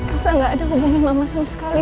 elsa gak ada hubungin mama sama sekali